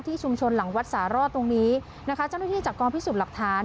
ชุมชนหลังวัดสารอดตรงนี้นะคะเจ้าหน้าที่จากกองพิสูจน์หลักฐาน